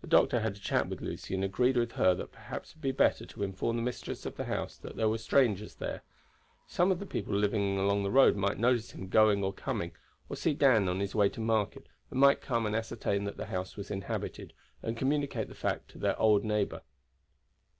The doctor had a chat with Lucy, and agreed with her that perhaps it would be better to inform the mistress of the house that there were strangers there. Some of the people living along the road might notice him going or coming, or see Dan on his way to market, and might come and ascertain that the house was inhabited, and communicate the fact to their old neighbor.